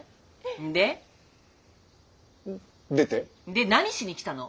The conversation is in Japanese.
で何しに来たの？